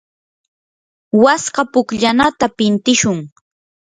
waska pukllanata pintishun.